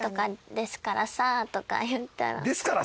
「ですからさ」？